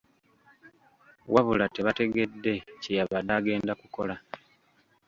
Wabula tebategedde kye yabadde agenda kukola.